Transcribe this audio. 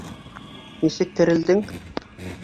Нисек терелдең?